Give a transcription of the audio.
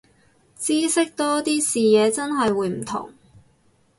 知識多啲，視野真係會唔同